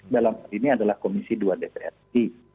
dalam hal ini adalah komisi dua dpr ri